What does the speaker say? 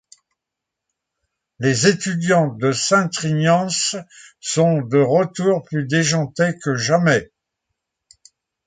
Les étudiantes de St Trinian's sont de retour plus déjantées que jamais.